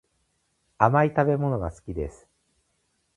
甘い食べ物が好きです